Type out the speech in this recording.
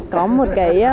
có một cái